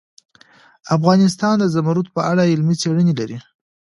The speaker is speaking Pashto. افغانستان د زمرد په اړه علمي څېړنې لري.